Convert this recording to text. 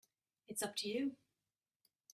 It's up to you.